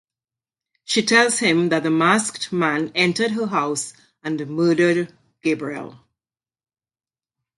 She tells him that the masked man entered her house and murdered Gabriel.